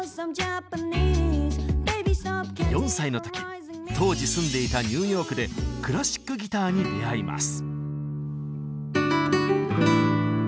４歳の時当時住んでいたニューヨークでクラシックギターに出会います。